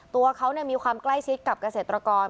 ตัวเขามีความใกล้ชิดกับเกษตรกร